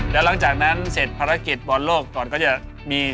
แล้วหลังจากนั้นเสร็จภารกิจบอลโลกก่อนก็จะมี